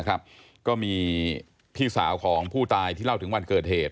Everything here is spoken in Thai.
ก็มีพี่สาวของผู้ตายที่เล่าถึงวันเกิดเหตุ